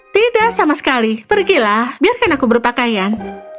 tidak sama sekali pergilah biarkan aku berpakaian